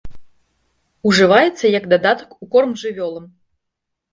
Ужываецца як дадатак у корм жывёлам.